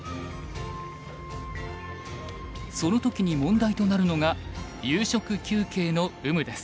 その時に問題となるのが夕食休憩の有無です。